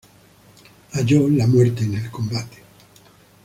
Halló la muerte en el combate.